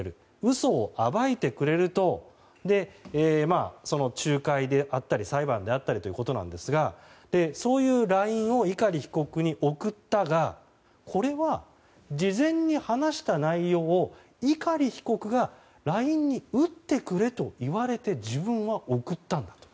嘘を暴いてくれると仲介であったり裁判であったりということなんですがそういうＬＩＮＥを碇被告に送ったがこれは事前に話した内容を碇被告がＬＩＮＥで打ってくれと言われて自分は送ったんだと。